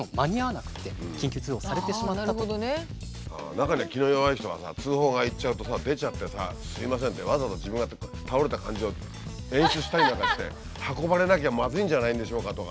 中には気の弱い人がさ通報がいっちゃうとさ出ちゃってさ「すいません」ってわざわざ自分が倒れた感じを演出したりなんかして運ばれなきゃまずいんじゃないでしょうかとか。